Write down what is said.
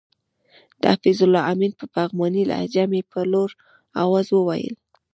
د حفیظ الله آمین په پغمانۍ لهجه مې په لوړ اواز وویل.